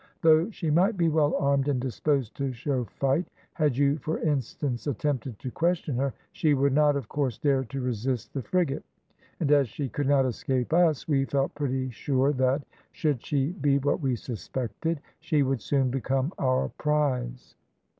Though she might be well armed and disposed to show fight, had you for instance attempted to question her, she would not, of course, dare to resist the frigate; and as she could not escape us, we felt pretty sure that, should she be what we suspected, she would soon become our prize.